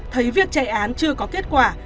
thấy việc chạy án chưa có kết quả